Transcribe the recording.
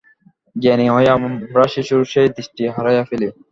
জ্ঞানী হইয়া আমরা শিশুর সেই দৃষ্টি হারাইয়া ফেলি।